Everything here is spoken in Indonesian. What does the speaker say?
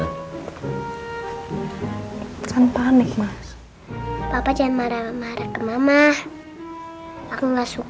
ini atau nggak